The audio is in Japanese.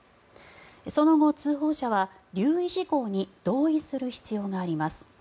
その後、通報者は留意事項に同意する必要があります。